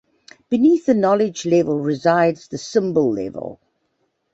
Beneath the knowledge level resides the symbol level.